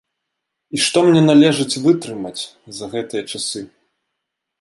І што мне належыць вытрымаць за гэтыя часы!